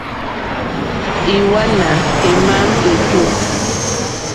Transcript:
Ìwàná émá ètǔ.